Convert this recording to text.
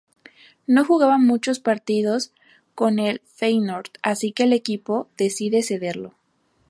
No jugaba muchos partidos con el Feyenoord, así que el equipo decide cederlo.